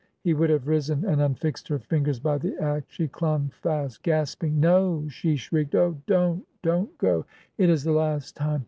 He would have risen, and unfixed her fingers by the act; she clung fast, gasping. 'Nol' she shrieked. 'Oh, don't, don't go I It is the last time!